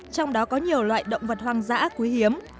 trong đó có nhiều loại động vật hoang dã quý hiếm